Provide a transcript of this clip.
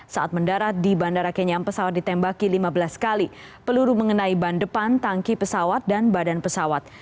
saat mendarat di bandara kenyam pesawat ditembaki lima belas kali peluru mengenai ban depan tangki pesawat dan badan pesawat